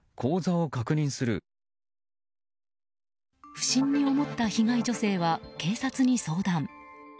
不審に思った被害女性は警察に相談。